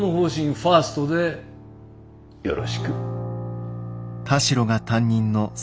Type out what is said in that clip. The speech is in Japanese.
ファーストでよろしく。